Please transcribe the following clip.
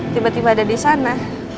tiba tiba ada di sana